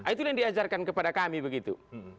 itu yang diajarkan kepada kami begitu